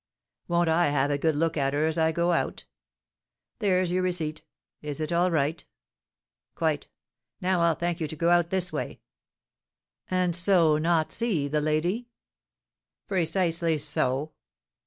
Won't I have a good look at her as I go out! There's your receipt; is it all right?" "Quite. Now I'll thank you to go out this way." "And so not see the lady?" "Precisely so."